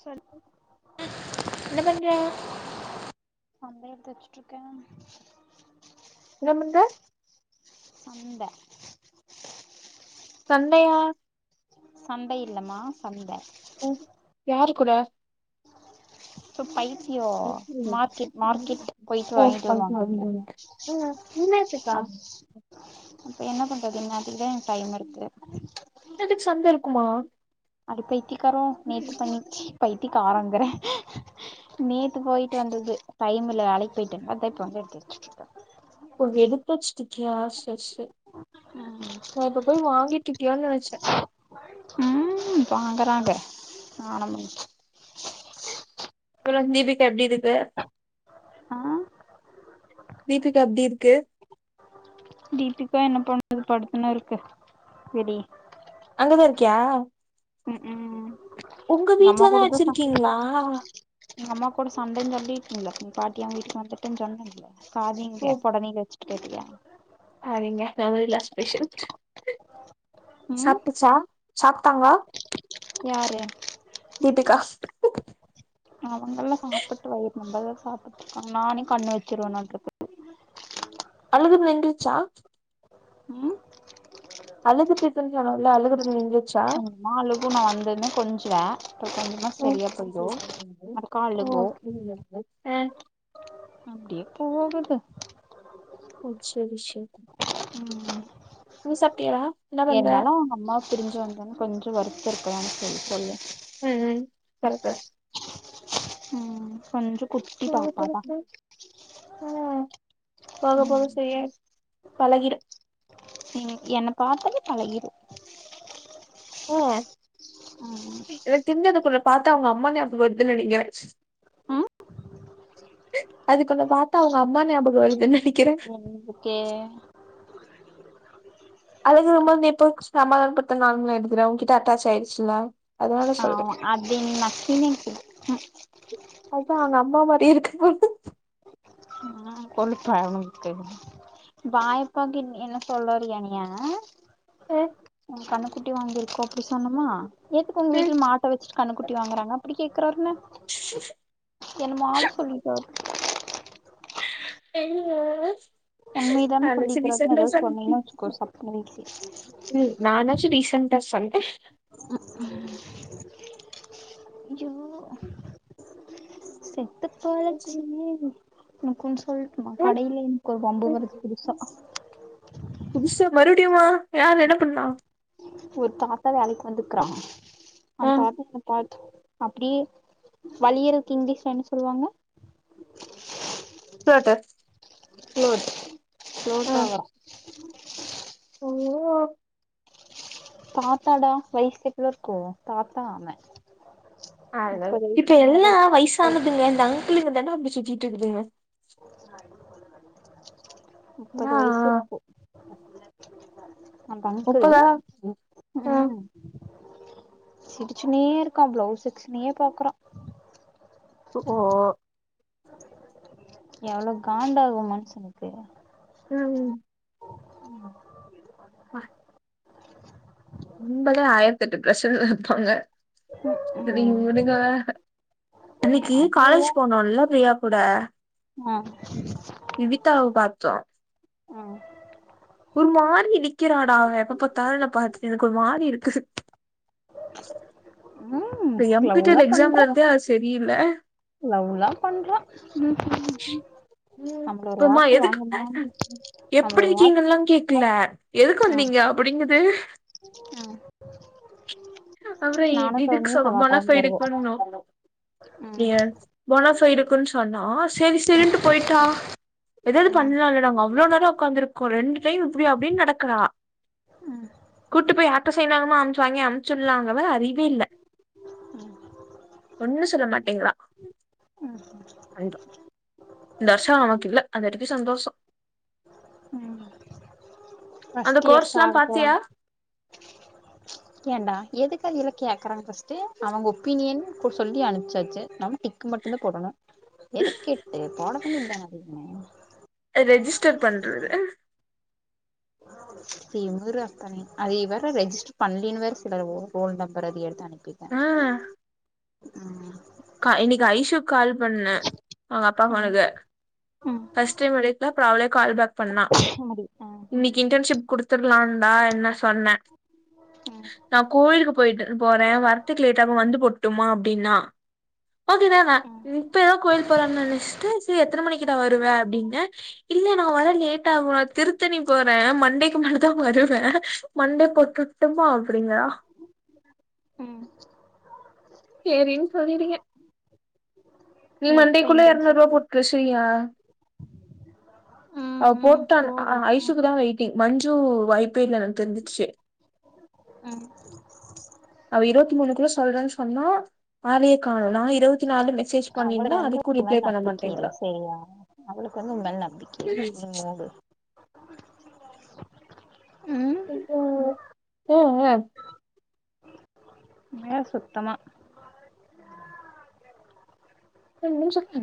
சொல் என்ன பண்ற அந்த எடுத்து வச்சுட்டு இருக்கே என்ன பண்ற சந்தா சண்டையா சண்டை இல்லமா சந்த ஓ யாரு கூட இப்போ பைத்தியோ ம் மார்க்கெட் மார்க்கெட் போய்டு வாங்கிட்டு வருவாங்கல என்னத்துக்கா அத் அப்ப என்ன பண்றது இன் நேரத்துக்குதா எனக்கு டைம் இருக்கு இந்நேரத்துக்கு சந்த இருக்குமா அதுப் பைத்தியக்காரா நேத்து பண்ணிச்சு பைத்தியக்காரங்குற நேத்து போய்ட்டு வந்தது டைம் இல்ல வேலைக்கு போய்ட அத இப்போ வந்து எடுத்து வெச்சிட்டுருக்கே ஒ எடுத்து வெச்ட்டுருகியா செரி செரி நா இப்ப போய் வாங்கி ட்ருக்கியா நெனச்சே ம் வாங்குறாங்க [unintelligible] சொல்லுங்க தீபிகா எப்டி இருக்க ஆ தீபிகா எப்டி இருக்கு தீபிகா என்ன பண்ணுது படுத்துனு இருக்கு வெளிய அங்கதா இருக்கியா ம் ம் ஒங்க எங்க அம்மா வீட்லதா கூடதா சா வெச்சிருக்கீங்களா எங்க அம்மா கூட சண்ட சொல்லிருக்கீங்களே பாட்டி அவங்க வீட்டுக்கு வந்துட்டன்னு சொன்னேல பாதி இங்க போடனைல வச்சி கேட்டியா ஆ இங்க நா [unintelligible] ஸ்பெஷல் ம் சாப்டுச்சா சாப்ட்டாங்க யாரு தீபிகா சாப்ட்டுட்க்காங்க நானே கண்ணு வச்சிருவேன்னாட்றுக்கு அழுதுன்னு நின்றுச்சா ம் அழுதுட்டு இருக்னு சொன்னல அழுகுறது நின்று கொன்னா அழுகு நா வந்ததுன்னே கொஞ்ச்வா இப்ப கொஞ்ச்னா ஓ சரியா போயிடும் மர்கா ஆ அழுகு [unintelligible] அப்டியே போகுது ஓ சரி ச ம் ம் சாப்ட்டியாடா என்ன பண்ற இருந்தாலு அவங்க அம்மாவ பிரிஞ்சு வந்தன்னு கொஞ்ச வருத்தருக்னோ போய் சொல்லு ஆ ஆ கரெக்ட்டு ம் ம் கொஞ்ச [unintelligible] ஆ போக போக ம் சரியாயிடு பழகிரு ம் என்ன பாத்தாலே பழகிரு ஓ ம் எனக்கு [unintelligible] பாத்தா அவங்க அம்மா ஞாபக வரதுன்னு நினைக்கிற ஆ அதுக்கு உன்ன பாத்தா அவங்க அம்மா ஞாபக வருதுன்னு நினைக்கிறே ஓகே. அதுக்கு ரொம்ப வந்து எப்போ சமாளாதனு பத்த நார்மலா எடுதுறே உங்ககிட்ட அட்டாச் ஆயிடுச்சுல்லா ஆமா அப்டி என்ன பீலிங்ஸ்ஸூ அதா அவங்க அம்மா மாரி இருக்கு ஆ கொழுப்பா அவனுக்கு க வாயப்பாக்கு என்ன சொல்லறிய நீய ஆ உ கண்ணுக்குட்டி வாங்கிருக்கோ அப்டி சொன்னுமா எதுக்கு உங்க வீட்ல மாட்டை வச்சுட்டு கண்ணுக்குட்டி வாங்கறாங்க அப்டி கேக்குறாருன்னு என்ன மாடு சொல்லி தா என்ன உண்மையதான நானாச்சு சொல்லிக்கிறாருன்னு ரீசண்டா ஏதோ சொன்னடி சொன்னீன்னு வச்சுக்கோ சப்புனு வீட்ல நானாச்சு ரீசென்டா சொன் [inaudible] ஐயோ ச செத்து பொழச்சி நான் கொஞ் சொல்ட்டுமா கடையில எனக்கு ஒரு வம்பு வருது புருசா புதுச மறுபடியுமா யார் என்ன பண்ணா ஒரு தாத்தா வேலைக்கு வந்திருக்காங்க ஆ அந்த தாத்தா என் பா அப்டி வழியிறதுக்கு இங்கிலீஷ்ல என்ன சொல்லுவாங்க புளாட்டர் ஃபுளோட் ஃபுளாட் அவரா ஓ. தாத்தாடா வயசு எவ்ளோ இருக்கு தாத்தா அவ அதது முப்பது வயசு இப்ப எல்லா மேல வயசானதுங்க இந்த அங்கிளுக்கு தாண்டா‌ அப்டி சுத்திட்டு இருக்குதுங்க முப்பது என்னா வயசு இருக்கு அப்ப அங்கிள் முப்பதா ம் சிரிச்சுன்னே இருக்காப்ல பிளவ்ஸ் செக்சனயே பாக்குறா ஓ. எவ்ளோ காண்டாகு மனுஷனுக்கு ம் வா ம்பதா ஆயிரத்தி எட்டு பிரஸர்லருப்பாங்க சரிங்க ம் உடுங்க அன்னைக்கி அது காலேஜ் வேற போனோல்ல ரியப் கூட ஆ விவிதாவ பாத்தோ ஆ ஒரு மாறி இடிக்கிறாடா அவ எப்ப பாத்தாலு என்ன பாத்துட் எனக்கொரு மாறிருக்கு [inaudible] [unintelligible] ம் இந்த எம் பிட்டல்எக்ஸாம்லருந்தே அவ சரியில்ல லவ்ல்லாம் பண்றா ம் நம்மள ஒரு புமா வார்த்த எதுக்கு வாங்கமான்னு நம்மள ஒரு வார்த்த எப்டிருக்கீங்கல்லா கேக்கல எதுக்கு ஆ வந்தீங்க அப்டிங்குது ஆ அப்றோ இ நானு இதுக் சௌமியு செவ்வா ரொம்பனா கெழம வருவோ சைடுக்கு பன்னனு ம் ஏ போனஃபைடுக்குன்னு சொன்னோ செரி ம் செரின்ட்டு போயிட்டா எதாவது ம் பண்ணலாலடா நாங்க அவ்ளோ நேரோ உக்காந்திருக்கோ ரெண்டு டைம் இப்டி அப்டின்னு நடக்கறா ம் கூட்டு போய் யார்ட்ட சைன் வாங்கனுமோ அமுச்சு வாங்கி அமுச்சுடலாங்கவ அறிவே இல்ல ஒண்ணு சொல்ல மாட்டீங்கறா ம் ண்றா இந்த வருஷோ அவன்க்கில்ல அதுவரைக்கு சந்தோஷோ ம் அந்த ஃபர்ஸ்ட் இயர்ஸ் கோர்ஸ் எல்லா ஆக பாத்தியா ஏண்டா எதுக்கு அதயல்லா கேக்கறாங்க பஸ்ட்டு அவுங்க ஒப்பீனியன் இப்ப சொல்லி அனுப்பிச்சாச்சு நம்ம டிக்கு மட்டுந்தா போடணு எதுக்கு கேட்டு போட வேண்டியதுதான அதுமே ச்சர் பண்றது [inaudible] திமிரு அத்தனையு அதை வேற ரெஜிஸ்டர் பண்லைனு வேற சொல்றாரு ரோல் நம்பர் அதை எடுத்து அனு பித ஆ ம் இன்னைக்கு ஐஷுக்கு கால் பண்ணே அவுங்க அப்பா ம் போனுக்கு ம் பஸ்ட் டைம் தா அவளே கால் பேக் பண்ணா சரி ஆ இன்னைக்கு இன்டர்ன்ஷிப் குடுத்து நான்தா என்ன சொன்னே ம் நா கோயிலுக்கு போயிட்டு போறேன் வர்த்துக்கு லேட்டாகு வந்து போட்டுமா அப்டினா ஓகேகா நா இப்ப எதோ கோயில் போறேனு நெனச்சுட்டு சரி எத்தன மணிக்குடா வருவ அப்டின்னே இல்ல நா வர லேட்டாகு நா திருத்தணி போறன் மண்டேக்கு மேலதா வருவே மண்டே போட்டு விட்டுமா அப்டிங்றா [inaudible] ம் ம் சேரின்னு சொல்லிருக்கேன் நீ எப்ப மண்டேக்குள்ள எரநூறுவா இன்டர்ன்ஷிப் போட்டு பேசுறயா ம் அவ ம் போட்டான் போடு ம் ஐஷுக்குதா வெய்ட்டிங் மஞ்சு வை ப்பன்னு எனக்கு தெரிஞ்சிருச்சு ம் அவ இருவத் மூனுக்குள்ள சொல்றன் சொன்னா ஆளயே காணோ நா இருவத்தி நாலு மெசேஜ் பண்ணிருந்த அவளுக்கு வந்து அதுக்கு உன் ரிப்ளை பண்ண மாட்டேங்கறா கொஞ்சோ உம் மேல நம்பிக்கயில்ல நீ மூடு [inaudible] ம் உம் உ உம்மயா சுத்தமா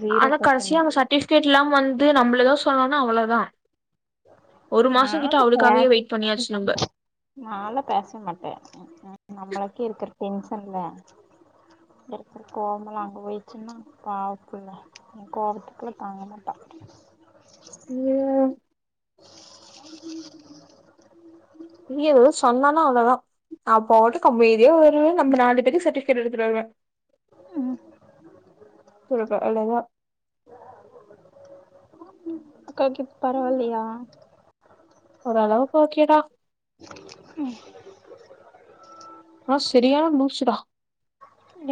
ஜீரோ ஆனா கடைசியா அந்த பர்சன்டேஜ் சர்டிஃபிகேட்ல்லா வந்து நம்மள எதா சொல்லணுனா அவ்ளோதா ஒரு மாசோ கிட்ட னாது பே அவளுக்காகவே வெயிட் பண்ணியாச்சு நம்ப நா எல்லா பேசவே மாட்டே நம்மலுக்கே இருக்கிற டென் சன்ல இருக்கிற கோவமல்லா அங்க போயிருச்சுனா பாவோ புள்ள என் கோவத்துக்கு எல்லா தாங்க மாட்டா [unintelligible] இனி எதுவோ சொன்னானா அவ்ளோதா நா பாட்டுக்கு அமதியா வருவேன் நம்ம நாலு பேருக்கு சர்டிஃபிகேட் எடுத்துட்டு வருவேன் ம் [unintelligible] இல்லைனா அக்காக்கு இப்ப பரவா இல்லயா ஒரளவுக்கு ஒகேடா ம் ஆனா செறியான லூசுடா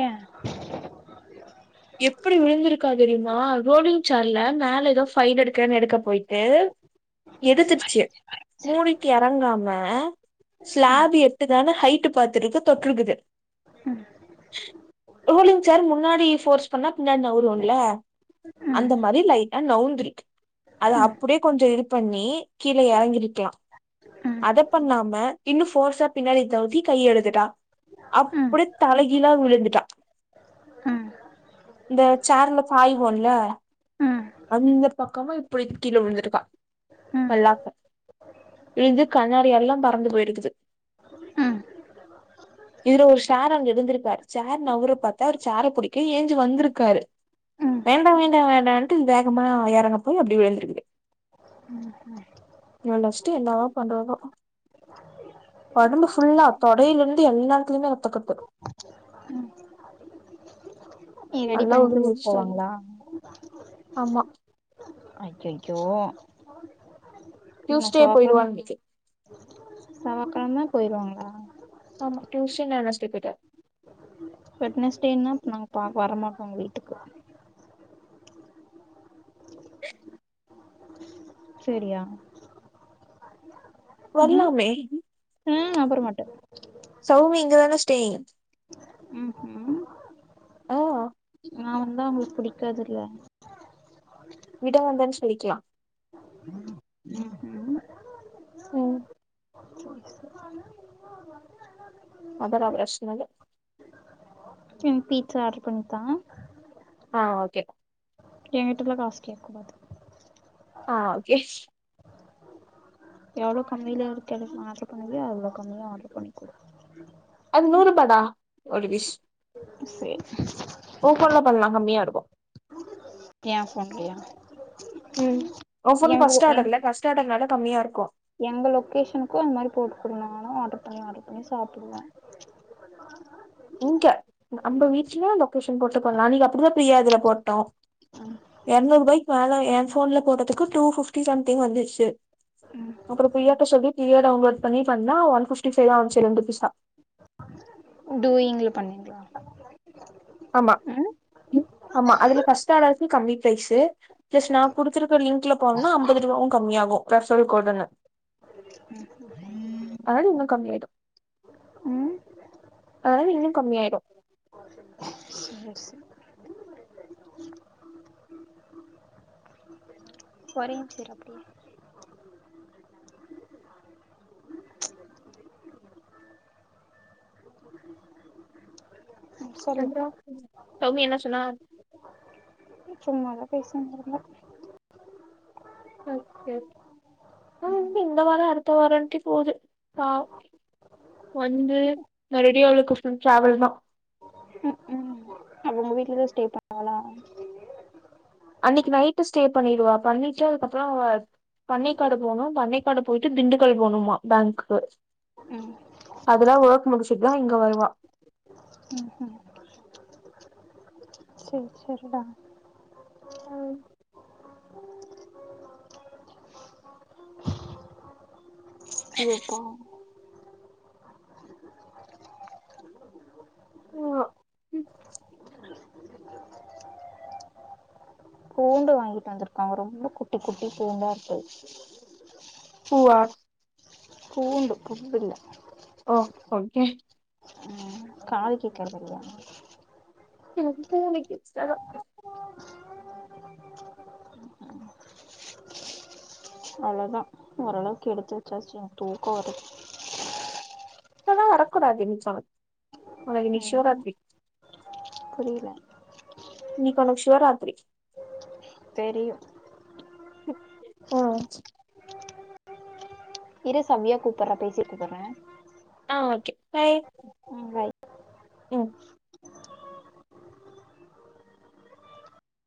ஏ எப்டி விழுந்திருக்கா தெரியுமா ரோலிங் சேர்ல மேல ஏதோ ஃபைல எடுக்கேனு எடுக்க போய்ட் ஏது எடுத்துருச்சு மூடிட்டு இறங்காம ஸ்லாப் எட்டுதானு ஹைட்டு பாத்துருக்கு தொட்டுற்றுக்குது ரோலிங் சேர் முன்னாடி ஃபோர்ஸ் பண்ணா பின்னாடி நவுரும்ல ம் அந்த மாரி லைட்டா நவுந்திரி அத ம் அப்டியே கொஞ்சோ இது பண்ணி கீழ இறங்கிருக்கலா ம் அத பண்ணாம இன்னு போர்ஸா பின்னாடி நவுத்தி கைய எடுதுட்டா ம் அப்டி தலைகீழா விழுந்துட்டா ம் இந்த சேர்ல சாய்வோன்ல ம் அந்த பக்கமா இப்டி கீழ விழுந்திருக்கா ம் மல்லாக்க விழுந்து கண்ணாடி எல்லா பறந்து போயிருக்குது ம் இதுல ஒரு சாரு அங்க இருந்திருக்காரு சேரு நவுர பாத்தா அவர் சேர பிடிக்க ஏஞ்சி வந்திருக்காரு ம் வேண்டா வேண்டா வேண்டான்ட்டு வேகமா இறங்க போய் அப்டி விழுந்திருக்குது ம் ம் இவனவச்ட்டு என்னதா பண்றதோ உடம்பு புல்லா தொடையிலிருந்து எல்லாத்துலயுமே ரத்தக்கட்டு நீ ரெடி நல்லா பண்ணிட்டு ஊருக்கு விழுந்துருச்சு சரி போவாங்களா ஆமா அய்யய்யோ டியூஸ்டே போயிடுவான்னிகே செவ்வாக்கிழம போயிருவாங்களா ஆமா டியூஸ்டே [unintelligible] வெட்னஸ்டேன்னா நாங்க பாக்க வரமாட்டாங்க வீட்டுக்கு சரியா ம் வர்லாமே ம் அப்புறோ மாட்ட சௌமி இங்கதான ஸ்டெயின் ம்ஹூம் ஆமா நா வந்தா அவங்களுக்கு பிடிக்காதுல்ல விட வந்தனு சொல்லிக்கலா ம் அதரா பிரஷ்னல்ல ம் பீட்சா ஆர்டர் பண்ணி தா ஆ ஓகே ஏ கிட்டள்ள காசு கேக்க கூடாது ஆ ஓகே எவ்ளோ கம்மில இருக்றது ஆர்டர் பண்ணுவியோ அவ்வளவு கம்மியா ஆர்டர் பண்ணிக்கோ அது நூறுபா டா ஒரு பிஸ் சேரி ஓ போன்ல பண்ணலா கம்மியா எடுக்கு ஏ போன்லய ம் ஓ போன்ல பஸ்ட்டு எங் ஆடர்ல பஸ்ட்டு ஆர்டர்னால கம்மியா இருக்கு எங்க லொக்கேஷனுக்கு அந் மாரி போட்டு குடுங்க நானு ஆர்டரு பண்ணி ஆர்டரு பண்ணி சாப்புடுவே இங்க நம்ம வீட்ல லொக்கேஷன் போட்டுபோல்ல அன்னிக்கி அப்டிதா பிரியாதுல போட்டோ எறணுறு ரூபாய்கு மேல ஏ போன்ல போட்டதுக்கு டூபிப்டி சம்திங் வந்துச்சு அப்புற பிரியா ட சொல்லி பிரியா டவுன்லோட் பண்ணி பண்ணா ஒன்பிப்டி செதா வந்துச்சு ரெண்டு பீசா [inaudible] டூயிங்க்ல பண்ணீங்களா ஆமா ஆமா அதுல பர்ஸ்ட் ஆடர்க்கு கம்மி பிரைஸு ப்ளஸ் நா குடுத்துருக்க லிங்க்ல போனா அம்பது ரூபாவும் கம்மி ஆகும் பெஷல் கோடுன்னு ம் அதாது இன்னு கம்மியாயிடும் அதாது இன்னும் கம்மியாயிடு கொறைங் சிறப்பு ம் சொல்லு சௌமி என்ன சொன்னா சும்மாதா பேசின் இருந்த ஓகே அவ்ங்க்கு இந்த வார அடுத்த வாரண்டு போது பாவ் வந்து மறுடியூ அவளுக்கு ஃபுள் டிராவல் தா ம் ம் அப்ப உங்க வீட்லதா ஸ்டே பண்ணறாலா அன்னிக்கு நைட்டு ஸ்டே பண்ணிடுவா பண்ணிட்டு அதுக்கப்புற அவ பண்ணைக்காடு போனும் பண்ணைக்காடு போயிட்டு திண்டுக்கல் போணுமா பேங்க்கு அதல்லா வொர்க்கு முடிச்சுட்டுதா இங்க வருவா விச்சரிடா யப்பா பூண்டு வாங்கிட்டு வந்திருக்காங்க ரொம்ப குட்டி குட்டி பூண்டாருக்கு உவா பூண்டு புண்ணுல்ல ஓ ஓகே ம் காது கேக்கறதில்யா எனக்கு பூனு கேட்ச்சி அதா [inaudible] அவ்ளதா ஓரளவுக்கு எடுத்து வச்சாச்சு என்கு தூக்கம் வருது லா வரக்குடாதுன்சா உனக்கின்னைக்கு சிவராத்ரி புரில இன்னிக்கு ஒனக்கு ஷிவராத்ரி தெரியு ஆ ச்சி இரு சவ்யா கூப்பரா பேசிட் கூப்பற்றே ஆ ஓகே பாய் ம்